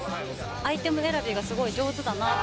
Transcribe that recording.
アイテム選びがすごい上手だな。